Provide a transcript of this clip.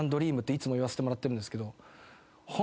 いつも言わせてもらってるんですけど。